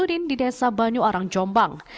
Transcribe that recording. udin di desa banyu arang jombang